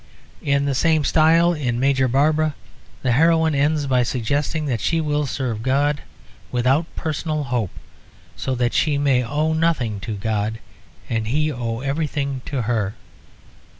In the same style in Major Barbara the heroine ends by suggesting that she will serve God without personal hope, so that she may owe nothing to God and He owe everything to her.